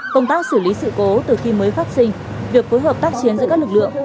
công tác xử lý sự cố từ khi mới phát sinh việc phối hợp tác chiến giữa các lực lượng